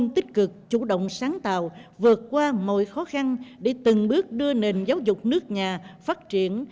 tích cực chủ động sáng tạo vượt qua mọi khó khăn để từng bước đưa nền giáo dục nước nhà phát triển